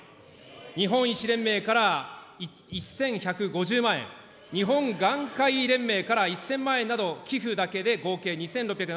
日本医師連盟から１１５０万円、日本眼科医連盟から１０００万円など、寄付だけで合計万円。